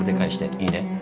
いいね？